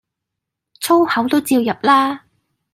粗口都照入啦